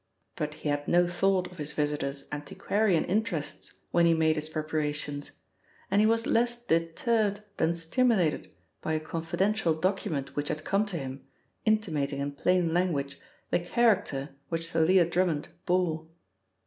But he had no thought of his visitor's antiquarian interests when he made his preparations, and he was less deterred than stimulated by a confidential document which had come to him, intimating in plain language the character which Thalia Drummond bore.